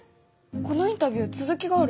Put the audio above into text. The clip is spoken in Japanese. このインタビュー続きがある。